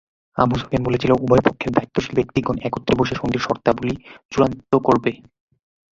আবু সুফিয়ান বলেছিল, উভয় পক্ষের দায়িত্বশীল ব্যক্তিগণ একত্রে বসে সন্ধির শর্তাবলী চুড়ান্ত করবে।